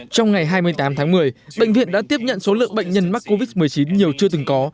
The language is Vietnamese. trong ngày hai mươi tám tháng một mươi bệnh viện đã tiếp nhận số lượng bệnh nhân mắc covid một mươi chín nhiều chưa từng có